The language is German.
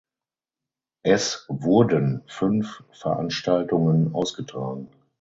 Es wurden fünf Veranstaltungen ausgetragen.